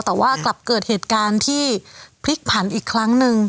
แต่ว่ากลับเกิดเหตุการณ์ที่พลิกผันอีกครั้งหนึ่ง